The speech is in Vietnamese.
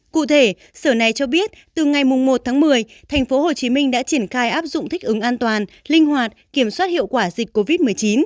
cụ thể sở này cho biết từ ngày một tháng một mươi tp hcm đã triển khai áp dụng thích ứng an toàn linh hoạt kiểm soát hiệu quả dịch covid một mươi chín